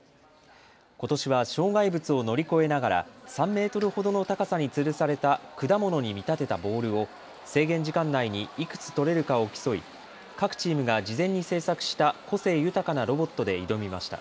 ことしは障害物を乗り越えながら３メートルほどの高さにつるされた果物に見立てたボールを制限時間内にいくつ取れるかを競い各チームが事前に製作した個性豊かなロボットで挑みました。